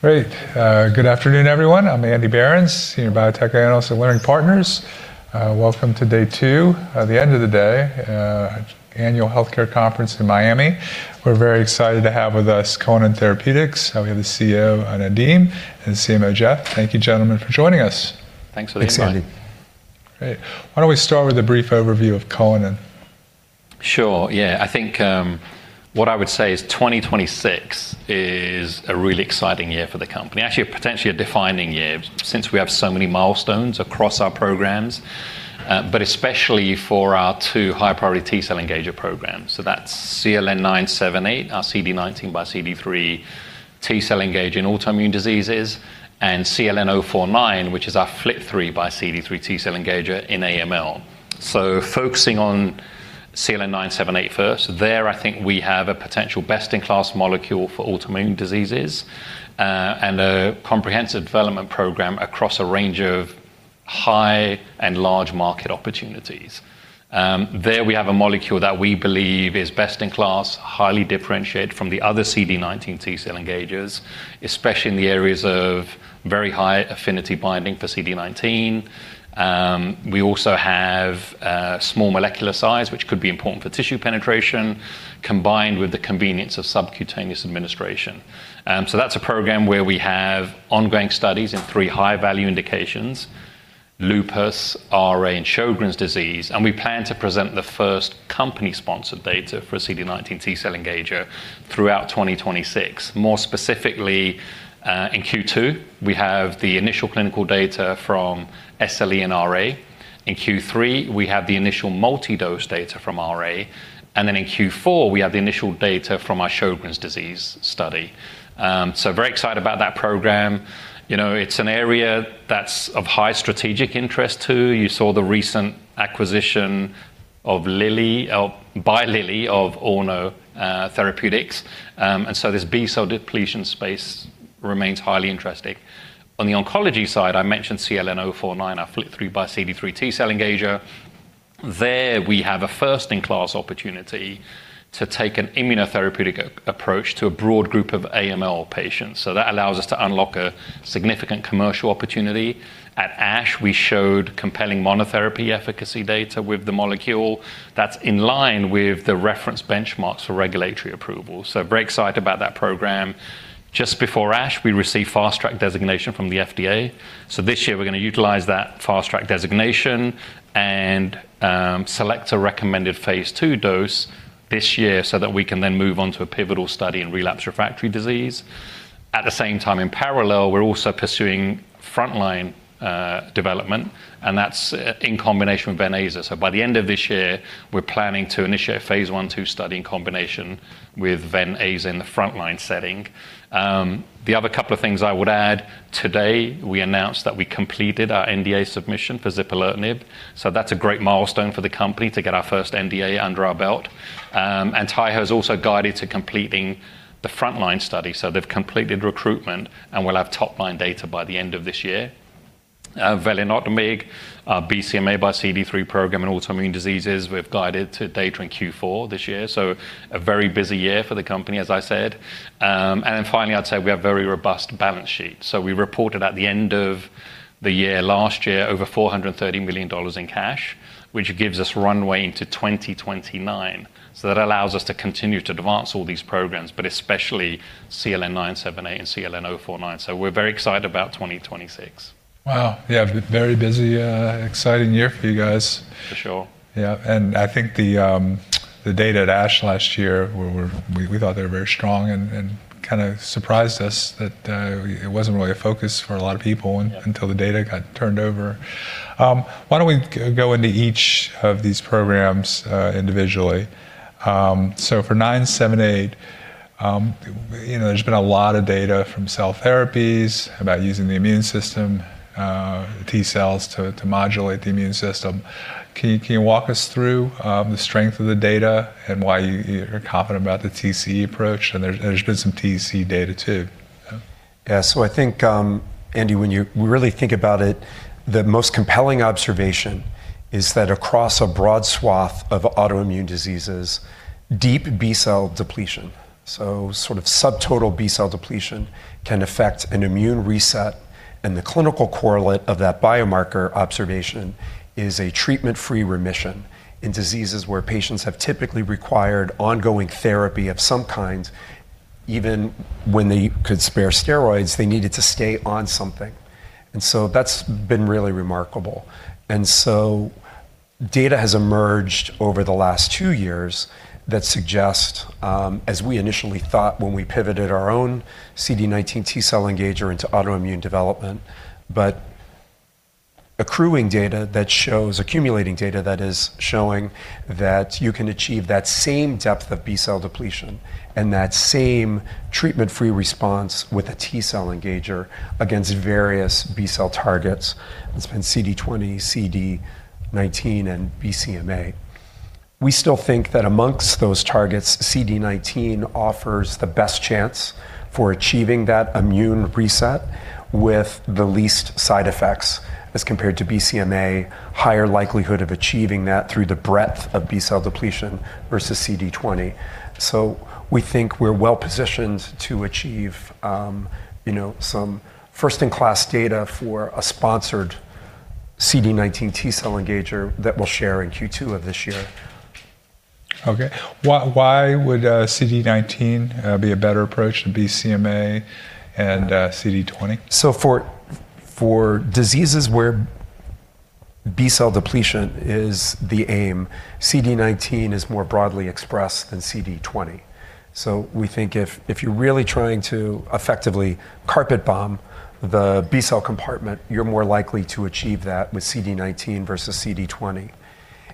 Great. Good afternoon, everyone. I'm Andy Berens, Senior Biotech Analyst at Leerink Partners. Welcome to day two, the end of the day, Annual Healthcare Conference in Miami. We're very excited to have with us Cullinan Therapeutics. We have the CEO, Nadim, and CMO, Jeff. Thank you, gentlemen, for joining us. Thanks for the invite. Thanks, Andy. Great. Why don't we start with a brief overview of Cullinan? Sure, yeah. I think what I would say is 2026 is a really exciting year for the company. Actually, potentially a defining year since we have so many milestones across our programs, but especially for our two high-priority T-cell engager programs. That's CLN-978, our CD19xCD3 T-cell engager in autoimmune diseases, and CLN-049, which is our FLT3xCD3 T-cell engager in AML. Focusing on CLN-978 first. There I think we have a potential best-in-class molecule for autoimmune diseases, and a comprehensive development program across a range of high and large market opportunities. There we have a molecule that we believe is best in class, highly differentiated from the other CD19 T-cell engagers, especially in the areas of very high affinity binding for CD19. We also have small molecular size, which could be important for tissue penetration, combined with the convenience of subcutaneous administration. That's a program where we have ongoing studies in three high-value indications, lupus, RA, and Sjögren's disease, and we plan to present the first company-sponsored data for a CD19 T-cell engager throughout 2026. More specifically, in Q2, we have the initial clinical data from SLE and RA. In Q3, we have the initial multi-dose data from RA, and then in Q4, we have the initial data from our Sjögren's disease study. Very excited about that program. You know, it's an area that's of high strategic interest too. You saw the recent acquisition by Lilly of Orna Therapeutics. This B-cell depletion space remains highly interesting. On the oncology side, I mentioned CLN-049, our FLT3xCD3 bispecific T-cell engager. There we have a first-in-class opportunity to take an immunotherapeutic approach to a broad group of AML patients. That allows us to unlock a significant commercial opportunity. At ASH, we showed compelling monotherapy efficacy data with the molecule that's in line with the reference benchmarks for regulatory approval. Very excited about that program. Just before ASH, we received Fast Track designation from the FDA. This year we're gonna utilize that Fast Track designation and select a recommended phase II dose this year so that we can then move on to a pivotal study in relapsed refractory disease. At the same time, in parallel, we're also pursuing frontline development, and that's in combination with Venetoclax. By the end of this year, we're planning to initiate a phase I/II study in combination with Venetoclax in the frontline setting. The other couple of things I would add, today, we announced that we completed our NDA submission for zipalertinib, so that's a great milestone for the company to get our first NDA under our belt. And Taiho has also guided to completing the frontline study. They've completed recruitment, and we'll have top-line data by the end of this year. Velinotamig, our BCMA x CD3 program in autoimmune diseases, we've guided to data in Q4 this year. A very busy year for the company, as I said. Finally, I'd say we have very robust balance sheets. We reported at the end of the year, last year, over $430 million in cash, which gives us runway into 2029. That allows us to continue to advance all these programs, but especially CLN-978 and CLN-049. We're very excited about 2026. Wow. Yeah, very busy, exciting year for you guys. For sure. Yeah. I think the data at ASH last year we thought they were very strong and kinda surprised us that it wasn't really a focus for a lot of people. Yeah until the data got turned over. Why don't we go into each of these programs individually? For CLN-978, you know, there's been a lot of data from cell therapies about using the immune system, T cells to modulate the immune system. Can you walk us through the strength of the data and why you're confident about the TCE approach? There's been some TCE data too. Yeah. I think, Andy, when you really think about it, the most compelling observation is that across a broad swath of autoimmune diseases, deep B-cell depletion, so sort of subtotal B-cell depletion, can affect an immune reset, and the clinical correlate of that biomarker observation is a treatment-free remission in diseases where patients have typically required ongoing therapy of some kind. Even when they could spare steroids, they needed to stay on something. That's been really remarkable. Data has emerged over the last two years that suggest as we initially thought when we pivoted our own CD19 T-cell engager into autoimmune development. Accumulating data that is showing that you can achieve that same depth of B-cell depletion and that same treatment-free response with a T-cell engager against various B-cell targets. That's been CD20, CD19, and BCMA. We still think that among those targets, CD19 offers the best chance for achieving that immune reset with the least side effects as compared to BCMA, higher likelihood of achieving that through the breadth of B-cell depletion versus CD20. We think we're well-positioned to achieve some first-in-class data for a sponsored CD19 T-cell engager that we'll share in Q2 of this year. Okay. Why would CD19 be a better approach than BCMA and CD20? For diseases where B-cell depletion is the aim, CD19 is more broadly expressed than CD20. We think if you're really trying to effectively carpet bomb the B-cell compartment, you're more likely to achieve that with CD19 versus CD20.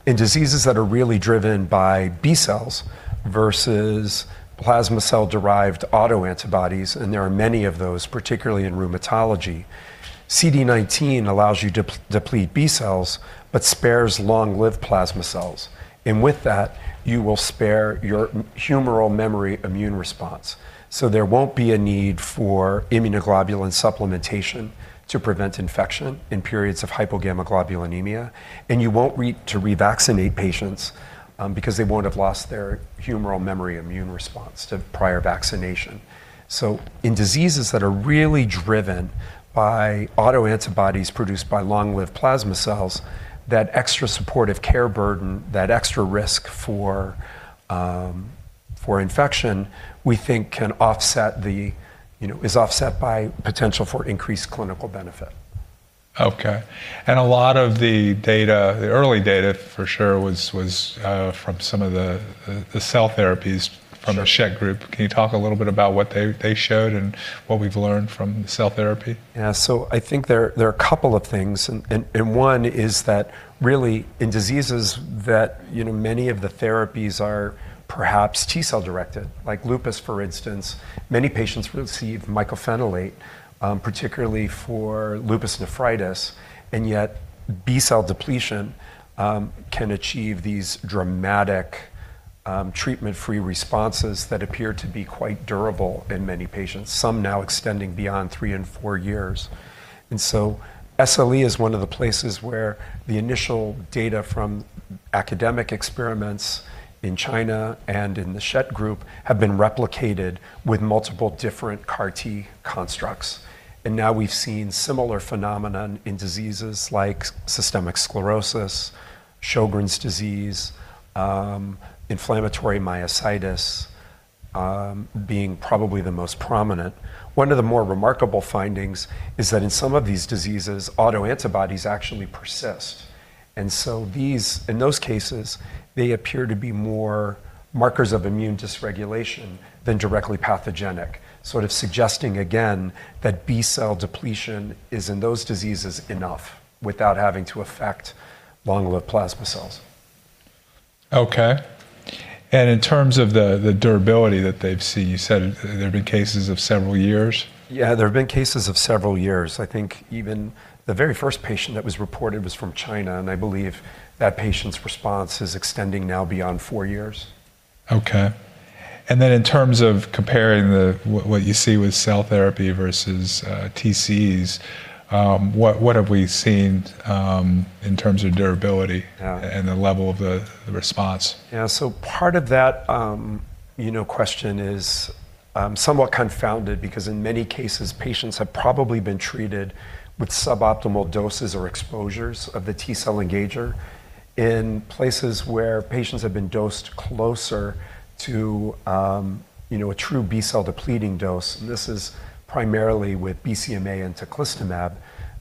In diseases that are really driven by B-cells versus plasma cell-derived autoantibodies, and there are many of those, particularly in rheumatology, CD19 allows you to deplete B-cells, but spares long-lived plasma cells. With that, you will spare your humoral memory immune response. There won't be a need for immunoglobulin supplementation to prevent infection in periods of hypogammaglobulinemia, and you won't need to revaccinate patients, because they won't have lost their humoral memory immune response to prior vaccination. In diseases that are really driven by autoantibodies produced by long-lived plasma cells, that extra supportive care burden, that extra risk for infection, we think is offset by potential for increased clinical benefit. Okay. A lot of the data, the early data for sure was from some of the cell therapies. Sure From the Schett group. Can you talk a little bit about what they showed and what we've learned from cell therapy? Yeah. I think there are a couple of things and one is that really in diseases that you know many of the therapies are perhaps T-cell directed, like lupus, for instance, many patients receive mycophenolate, particularly for lupus nephritis, and yet B-cell depletion can achieve these dramatic treatment-free responses that appear to be quite durable in many patients, some now extending beyond three and four years. SLE is one of the places where the initial data from academic experiments in China and in the Schett group have been replicated with multiple different CAR T constructs. Now we've seen similar phenomenon in diseases like systemic sclerosis, Sjögren's disease, inflammatory myositis, being probably the most prominent. One of the more remarkable findings is that in some of these diseases, autoantibodies actually persist. In those cases, they appear to be more markers of immune dysregulation than directly pathogenic, sort of suggesting again that B-cell depletion is in those diseases enough without having to affect long-lived plasma cells. Okay. In terms of the durability that they've seen, you said there have been cases of several years? Yeah, there have been cases of several years. I think even the very first patient that was reported was from China, and I believe that patient's response is extending now beyond four years. Okay. In terms of comparing what you see with cell therapy versus TCEs, what have we seen in terms of durability? Yeah the level of the response? Yeah. Part of that, you know, question is somewhat confounded because in many cases, patients have probably been treated with suboptimal doses or exposures of the T-cell engager. In places where patients have been dosed closer to, you know, a true B-cell depleting dose, and this is primarily with BCMA and teclistamab,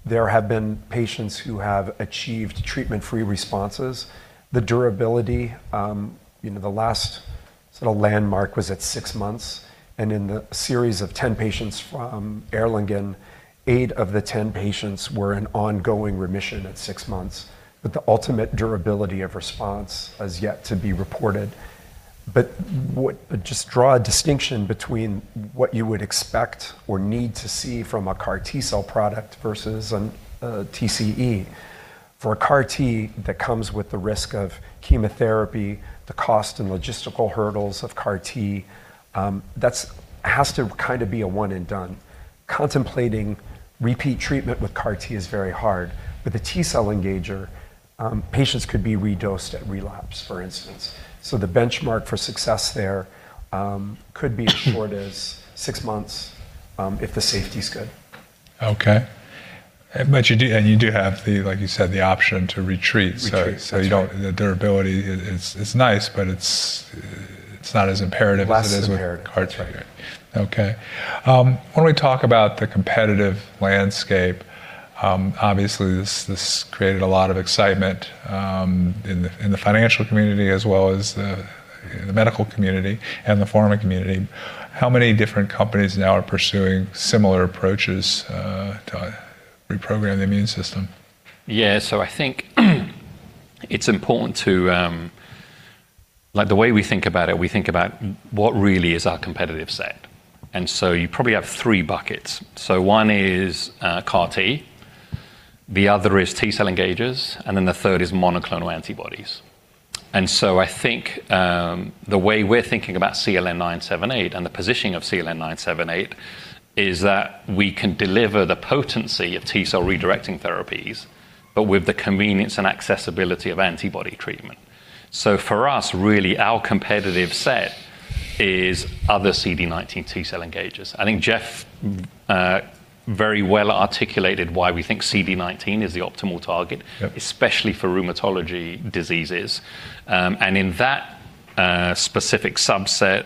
there have been patients who have achieved treatment-free responses. The durability, you know, the last sort of landmark was at six months, and in the series of 10 patients from Erlangen, eight of the 10 patients were in ongoing remission at 6 months. The ultimate durability of response has yet to be reported. Just draw a distinction between what you would expect or need to see from a CAR T-cell product versus a TCE. For a CAR T, that comes with the risk of chemotherapy, the cost and logistical hurdles of CAR T. That has to kind of be a one and done. Contemplating repeat treatment with CAR T is very hard. With a T-cell engager, patients could be redosed at relapse, for instance. The benchmark for success there could be as short as six months, if the safety's good. Okay. You do have the, like you said, the option to retreat. Retreat. You don't. The durability is nice, but it's not as imperative. Less imperative. As it is with CAR T. Okay. When we talk about the competitive landscape, obviously this created a lot of excitement in the financial community as well as the medical community and the pharma community. How many different companies now are pursuing similar approaches to reprogram the immune system? Yeah. I think it's important to, like the way we think about it, we think about what really is our competitive set. You probably have three buckets. One is, CAR T, the other is T-cell engagers, and then the third is monoclonal antibodies. I think the way we're thinking about CLN-978 and the positioning of CLN-978 is that we can deliver the potency of T-cell redirecting therapies, but with the convenience and accessibility of antibody treatment. For us, really, our competitive set is other CD19 T-cell engagers. I think Jeff very well articulated why we think CD19 is the optimal target. Yep Especially for rheumatology diseases. In that specific subset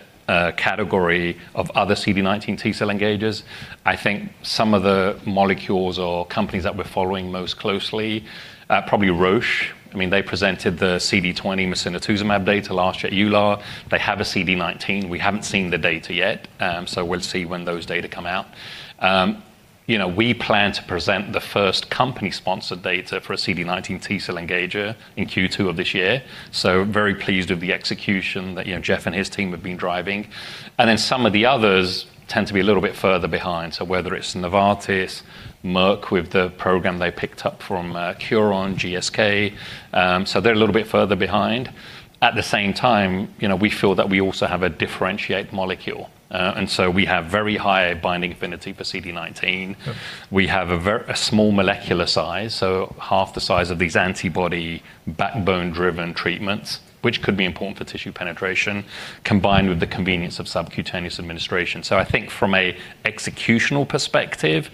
category of other CD19 T-cell engagers, I think some of the molecules or companies that we're following most closely, probably Roche. I mean, they presented the CD20 mosunetuzumab data last year at EULAR. They have a CD19. We haven't seen the data yet, so we'll see when those data come out. You know, we plan to present the first company-sponsored data for a CD19 T-cell engager in Q2 of this year, so very pleased with the execution that, you know, Jeff and his team have been driving. Some of the others tend to be a little bit further behind. Whether it's Novartis, Merck with the program they picked up from Curon, GSK, they're a little bit further behind. At the same time, you know, we feel that we also have a differentiated molecule. We have very high binding affinity for CD19. Okay. We have a small molecular size, so half the size of these antibody backbone-driven treatments, which could be important for tissue penetration, combined with the convenience of subcutaneous administration. I think from a executional perspective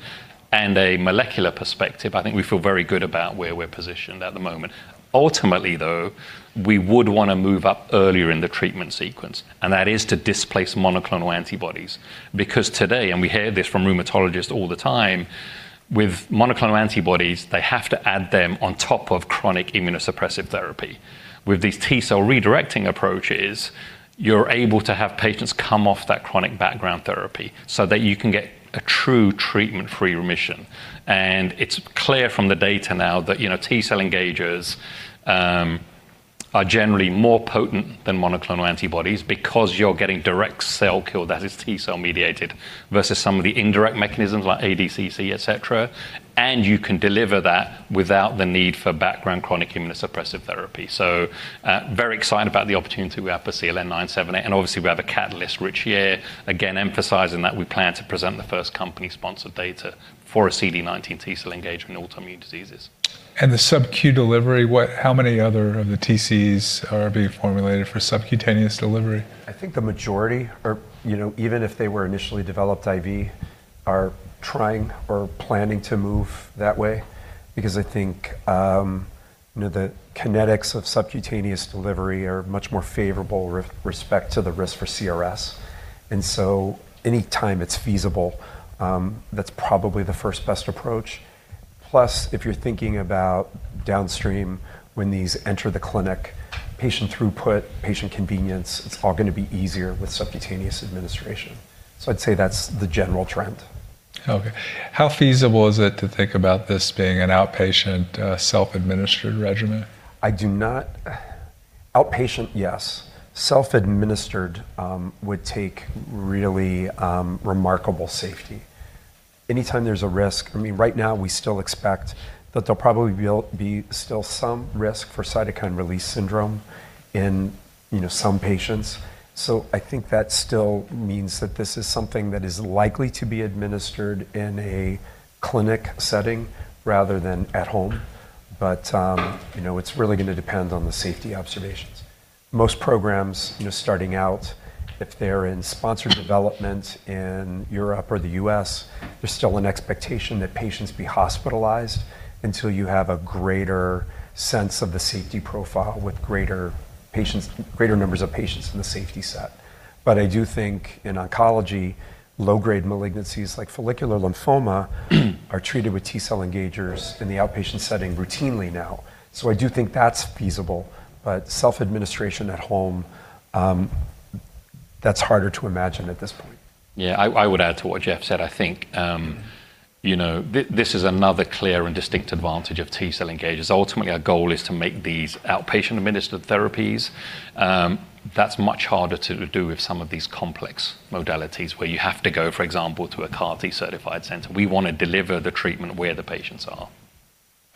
and a molecular perspective, I think we feel very good about where we're positioned at the moment. Ultimately, though, we would wanna move up earlier in the treatment sequence, and that is to displace monoclonal antibodies. Because today, and we hear this from rheumatologists all the time, with monoclonal antibodies, they have to add them on top of chronic immunosuppressive therapy. With these T-cell redirecting approaches, you're able to have patients come off that chronic background therapy so that you can get a true treatment-free remission. It's clear from the data now that, you know, T-cell engagers are generally more potent than monoclonal antibodies because you're getting direct cell kill that is T-cell mediated versus some of the indirect mechanisms like ADCC, et cetera. You can deliver that without the need for background chronic immunosuppressive therapy. Very excited about the opportunity we have for CLN-978, and obviously we have a catalyst rich year, again, emphasizing that we plan to present the first company-sponsored data for a CD19 T-cell engager in autoimmune diseases. The sub-Q delivery, how many other of the TCs are being formulated for subcutaneous delivery? I think the majority are, you know, even if they were initially developed IV, are trying or planning to move that way because I think, you know, the kinetics of subcutaneous delivery are much more favorable respect to the risk for CRS. Anytime it's feasible, that's probably the first best approach. Plus, if you're thinking about downstream, when these enter the clinic, patient throughput, patient convenience, it's all gonna be easier with subcutaneous administration. I'd say that's the general trend. Okay. How feasible is it to think about this being an outpatient, self-administered regimen? Outpatient, yes. Self-administered would take really remarkable safety. Anytime there's a risk, I mean, right now we still expect that there'll probably be still some risk for cytokine release syndrome in, you know, some patients. I think that still means that this is something that is likely to be administered in a clinic setting rather than at home. You know, it's really gonna depend on the safety observations. Most programs, you know, starting out, if they're in sponsored development in Europe or the U.S., there's still an expectation that patients be hospitalized until you have a greater sense of the safety profile with greater patients, greater numbers of patients in the safety set. I do think in oncology, low-grade malignancies like follicular lymphoma are treated with T-cell engagers in the outpatient setting routinely now. I do think that's feasible, but self-administration at home, that's harder to imagine at this point. Yeah, I would add to what Jeff said. I think, you know, this is another clear and distinct advantage of T-cell engagers. Ultimately, our goal is to make these outpatient administered therapies. That's much harder to do with some of these complex modalities where you have to go, for example, to a CAR T-certified center. We wanna deliver the treatment where the patients are.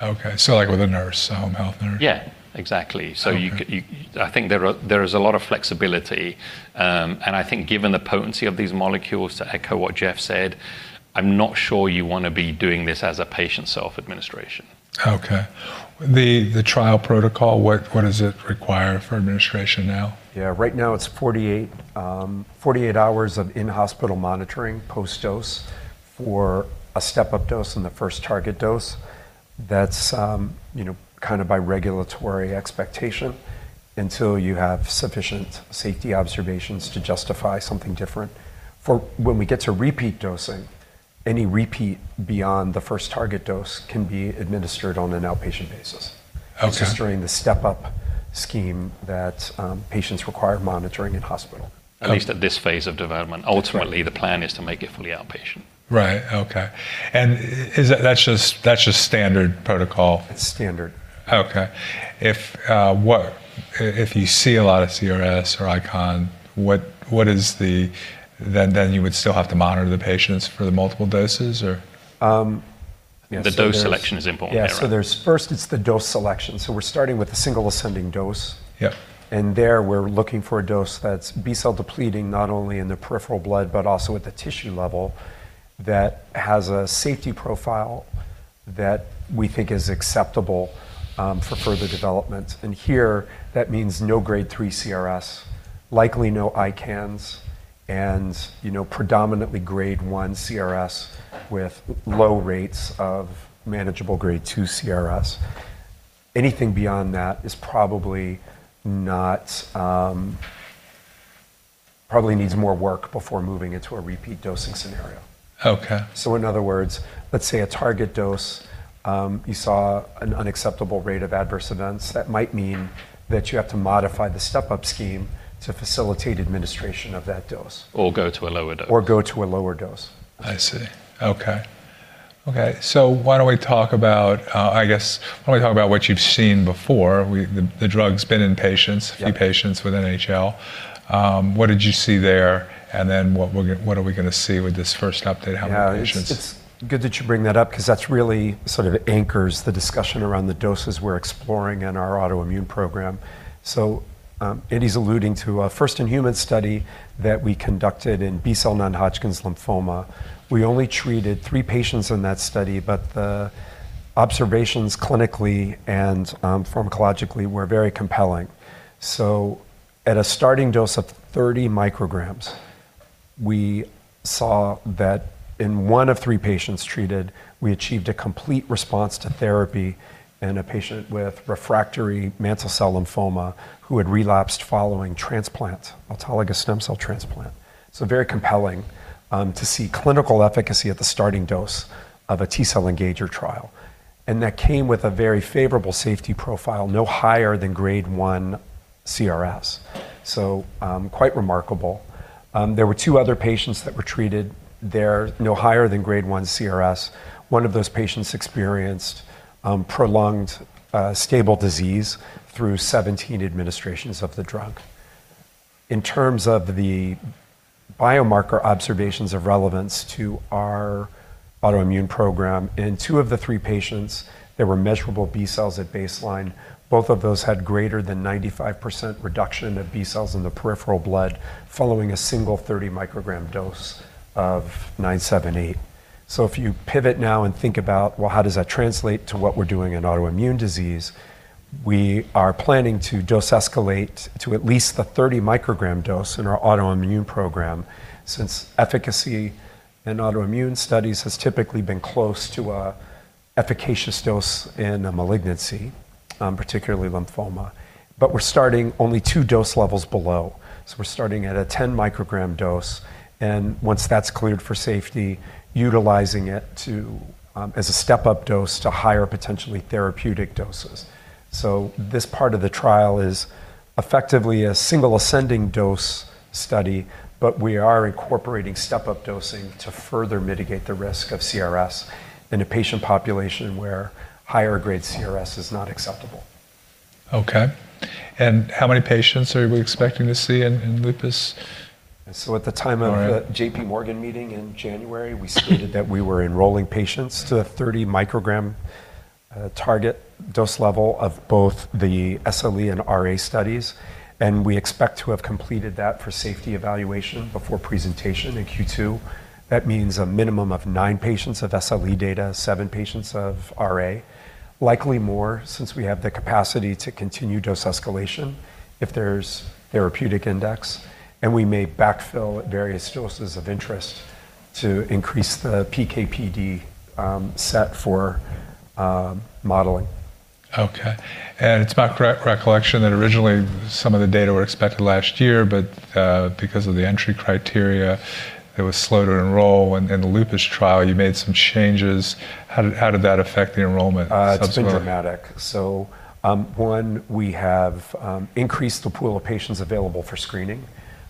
Okay. Like with a nurse, a home health nurse? Yeah, exactly. Okay. I think there is a lot of flexibility. I think given the potency of these molecules, to echo what Jeff said, I'm not sure you wanna be doing this as a patient self-administration. Okay. The trial protocol, what does it require for administration now? Yeah. Right now it's 48 hours of in-hospital monitoring post-dose for a step-up dose and the first target dose. That's, you know, kind of by regulatory expectation until you have sufficient safety observations to justify something different. For when we get to repeat dosing, any repeat beyond the first target dose can be administered on an outpatient basis. Okay. It's just during the step-up scheme that patients require monitoring in hospital. At least at this phase of development. Ultimately, the plan is to make it fully outpatient. Right. Okay. That's just standard protocol? It's standard. If you see a lot of CRS or ICANS, what is the? You would still have to monitor the patients for the multiple doses or? Um, yeah, so there's- The dose selection is important there, right? Yeah, there's first it's the dose selection. We're starting with a single ascending dose. Yeah. There we're looking for a dose that's B-cell depleting not only in the peripheral blood, but also at the tissue level that has a safety profile that we think is acceptable, for further development. Here that means no Grade 3 CRS, likely no ICANS, and you know, predominantly Grade 1 CRS with low rates of manageable Grade 2 CRS. Anything beyond that is probably not, probably needs more work before moving into a repeat dosing scenario. Okay. In other words, let's say a target dose, you saw an unacceptable rate of adverse events. That might mean that you have to modify the step-up scheme to facilitate administration of that dose. Go to a lower dose. Go to a lower dose. I see. Okay. Why don't we talk about what you've seen before? The drug's been in patients. Yeah A few patients with NHL. What did you see there? What are we gonna see with this first update, how many patients? Yeah. It's good that you bring that up because that's really sort of anchors the discussion around the doses we're exploring in our autoimmune program. Eddie's alluding to a first-in-human study that we conducted in B-cell non-Hodgkin's lymphoma. We only treated three patients in that study, but the observations clinically and pharmacologically were very compelling. At a starting dose of 30 micrograms, we saw that in one of three patients treated, we achieved a complete response to therapy in a patient with refractory mantle cell lymphoma who had relapsed following transplant, autologous stem cell transplant. Very compelling to see clinical efficacy at the starting dose of a T-cell engager trial. That came with a very favorable safety profile, no higher than Grade 1 CRS. Quite remarkable. There were two other patients that were treated there, no higher than Grade 1 CRS. One of those patients experienced prolonged stable disease through 17 administrations of the drug. In terms of the biomarker observations of relevance to our autoimmune program, in two of the three patients, there were measurable B-cells at baseline. Both of those had greater than 95% reduction of B-cells in the peripheral blood following a single 30-microgram dose of 978. If you pivot now and think about, well, how does that translate to what we're doing in autoimmune disease? We are planning to dose escalate to at least the 30-microgram dose in our autoimmune program since efficacy in autoimmune studies has typically been close to an efficacious dose in a malignancy, particularly lymphoma. We're starting only two dose levels below. We're starting at a 10-microgram dose, and once that's cleared for safety, utilizing it to as a step-up dose to higher potentially therapeutic doses. This part of the trial is effectively a single ascending dose study, but we are incorporating step-up dosing to further mitigate the risk of CRS in a patient population where higher Grade CRS is not acceptable. Okay. How many patients are we expecting to see in lupus? So at the time of the- All right. JPMorgan meeting in January, we stated that we were enrolling patients to the 30-microgram target dose level of both the SLE and RA studies, and we expect to have completed that for safety evaluation before presentation in Q2. That means a minimum of nine patients of SLE data, seven patients of RA, likely more since we have the capacity to continue dose escalation if there's therapeutic index, and we may backfill at various doses of interest to increase the PK/PD set for modeling. Okay. It's my recollection that originally some of the data were expected last year, but because of the entry criteria, it was slow to enroll. In the lupus trial, you made some changes. How did that affect the enrollment substantially? It's been dramatic. We have increased the pool of patients available for screening,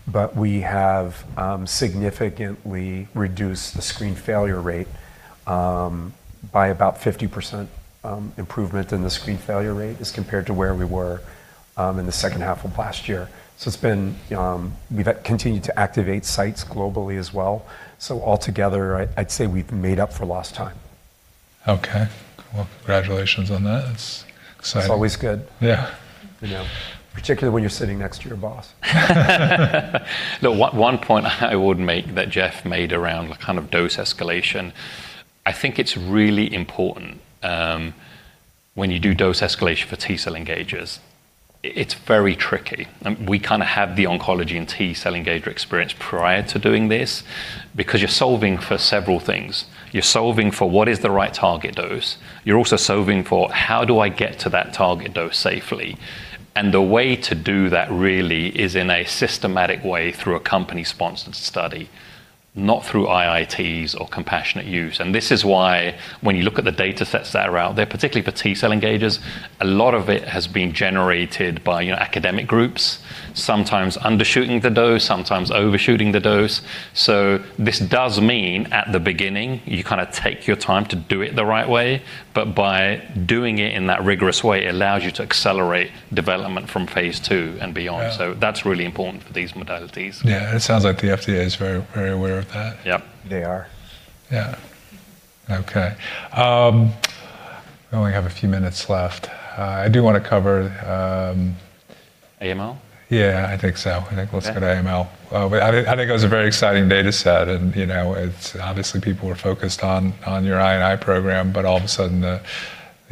but we have significantly reduced the screen failure rate by about 50% improvement in the screen failure rate as compared to where we were in the second half of last year. It's been. We've continued to activate sites globally as well. Altogether, I'd say we've made up for lost time. Okay. Well, congratulations on that. That's exciting. It's always good. Yeah. You know, particularly when you're sitting next to your boss. No, one point I would make that Jeff made around the kind of dose escalation, I think it's really important. When you do dose escalation for T-cell engagers, it's very tricky. We kinda have the oncology and T-cell engager experience prior to doing this because you're solving for several things. You're solving for what is the right target dose, you're also solving for how do I get to that target dose safely? The way to do that really is in a systematic way through a company-sponsored study, not through IITs or compassionate use. This is why when you look at the datasets that are out there, particularly for T-cell engagers, a lot of it has been generated by, you know, academic groups, sometimes undershooting the dose, sometimes overshooting the dose. This does mean at the beginning, you kinda take your time to do it the right way, but by doing it in that rigorous way allows you to accelerate development from phase II and beyond. Yeah. That's really important for these modalities. Yeah. It sounds like the FDA is very, very aware of that. Yep. They are. Yeah. Okay. We only have a few minutes left. I do wanna cover. AML? Yeah, I think so. I think let's go to AML. Okay. I think it was a very exciting data set and, you know, it's obviously people were focused on your INI program, but all of a sudden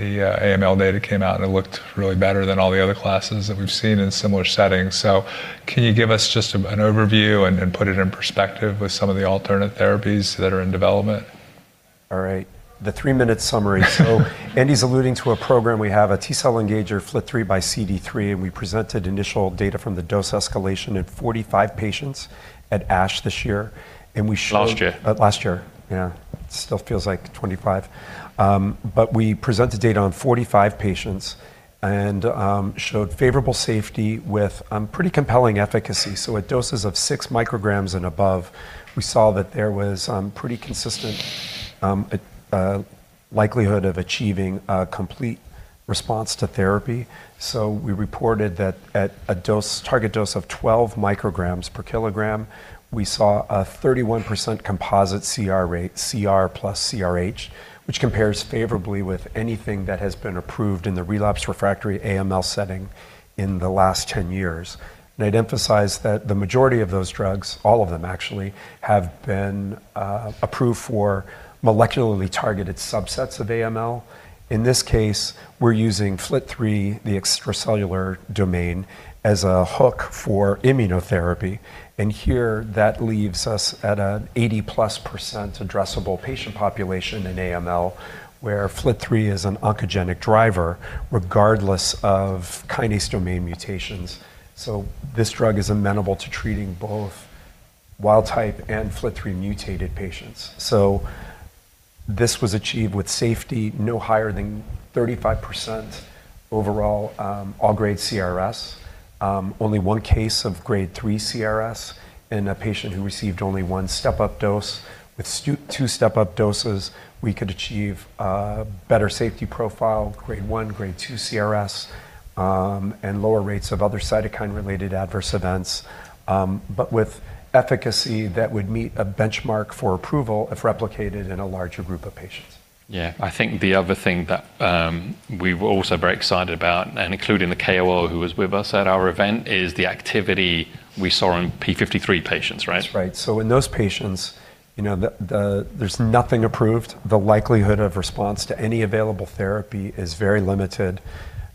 the AML data came out and it looked really better than all the other classes that we've seen in similar settings. Can you give us just an overview and put it in perspective with some of the alternative therapies that are in development? All right. The three-minute summary. Andy's alluding to a program. We have a T-cell engager FLT3xCD3, and we presented initial data from the dose escalation in 45 patients at ASH this year. We showed- Last year. Last year. Yeah. Still feels like 2025. We presented data on 45 patients and showed favorable safety with pretty compelling efficacy. At doses of six micrograms and above, we saw that there was pretty consistent likelihood of achieving a complete response to therapy. We reported that at a dose, target dose of 12 micrograms per kilogram, we saw a 31% composite CR rate, CR plus CRh, which compares favorably with anything that has been approved in the relapsed refractory AML setting in the last 10 years. I'd emphasize that the majority of those drugs, all of them actually, have been approved for molecularly targeted subsets of AML. In this case, we're using FLT3, the extracellular domain, as a hook for immunotherapy. Here, that leaves us at an 80+% addressable patient population in AML, where FLT3 is an oncogenic driver regardless of kinase domain mutations. This drug is amenable to treating both wild type and FLT3 mutated patients. This was achieved with safety no higher than 35% overall, all Grade CRS. Only one case of Grade 3 CRS in a patient who received only one step-up dose. With two step-up doses, we could achieve a better safety profile, Grade 1, Grade 2 CRS, and lower rates of other cytokine-related adverse events, but with efficacy that would meet a benchmark for approval if replicated in a larger group of patients. Yeah. I think the other thing that, we were also very excited about, and including the KOL who was with us at our event, is the activity we saw in TP53 patients, right? That's right. In those patients, you know, there's nothing approved. The likelihood of response to any available therapy is very limited.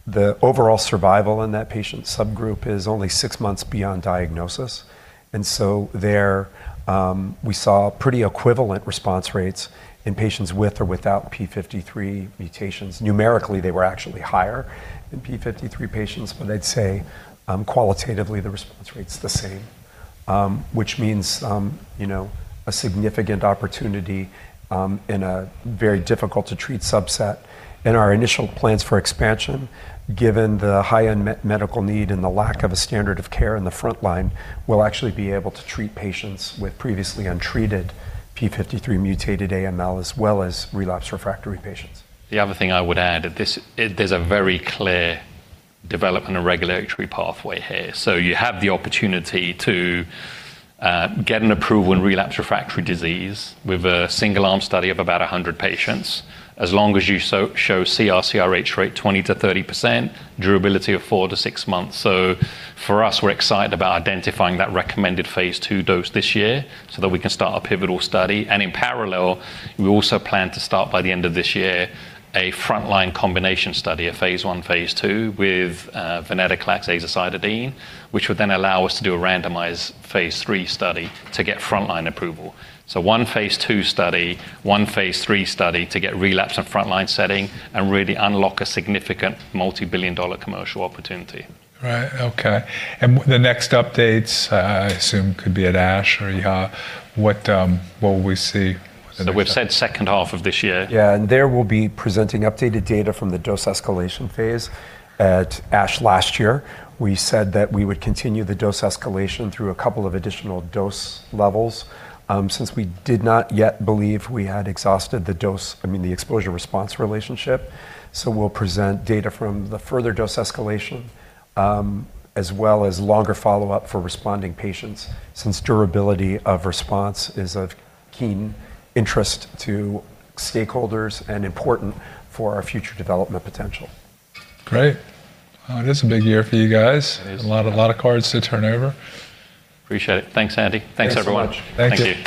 The overall survival in that patient subgroup is only six months beyond diagnosis. There we saw pretty equivalent response rates in patients with or without TP53 mutations. Numerically, they were actually higher in TP53 patients, but I'd say, qualitatively the response rate's the same. Which means, you know, a significant opportunity in a very difficult to treat subset. In our initial plans for expansion, given the high medical need and the lack of a standard of care in the front line, we'll actually be able to treat patients with previously untreated TP53 mutated AML as well as relapsed refractory patients. The other thing I would add, this, there's a very clear development and regulatory pathway here. You have the opportunity to get an approval in relapsed refractory disease with a single arm study of about 100 patients as long as you show CR/CRh rate 20%-30%, durability of four-six months. For us, we're excited about identifying that recommended phase II dose this year so that we can start our pivotal study. In parallel, we also plan to start by the end of this year a frontline combination study, a phase I, phase II with venetoclax azacitidine, which would then allow us to do a randomized phase III study to get frontline approval. One phase II study, one phase III study to get relapsed and frontline setting and really unlock a significant multi-billion-dollar commercial opportunity. Right. Okay. The next updates, I assume could be at ASH or EHA. What will we see at ASH? We've said second half of this year. There we'll be presenting updated data from the dose escalation phase. At ASH last year, we said that we would continue the dose escalation through a couple of additional dose levels, since we did not yet believe we had exhausted the exposure response relationship. We'll present data from the further dose escalation, as well as longer follow-up for responding patients since durability of response is of keen interest to stakeholders and important for our future development potential. Great. Well, it is a big year for you guys. It is. A lot of cards to turn over. Appreciate it. Thanks, Andy. Thanks so much. Thanks, everyone. Thank you.